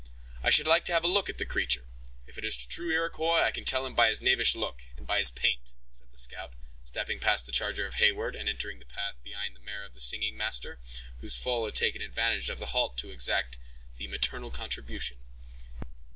"I should like to look at the creature; if it is a true Iroquois I can tell him by his knavish look, and by his paint," said the scout; stepping past the charger of Heyward, and entering the path behind the mare of the singing master, whose foal had taken advantage of the halt to exact the maternal contribution.